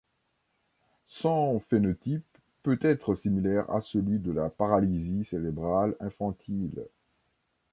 Son phénotype peut être similaire à celui de la paralysie cérébrale infantile.